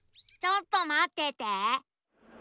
ちょっとまってて。